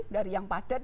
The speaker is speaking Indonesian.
dari yang padat